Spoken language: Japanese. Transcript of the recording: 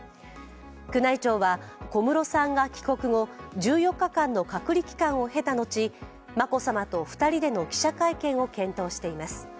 宮内庁は、小室さんが帰国後、１４日間の隔離期間を経た後、眞子さまと２人での記者会見を検討しています。